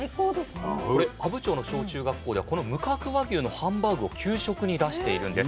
これ阿武町の小中学校ではこの無角和牛のハンバーグを給食に出しているんです。